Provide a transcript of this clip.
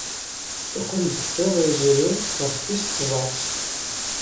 Yeqqel-d iḍ yezrin ɣef tis tẓat.